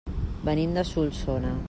Venim de Solsona.